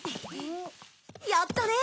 やったね！